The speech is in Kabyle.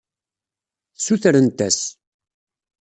Ssutrent-as.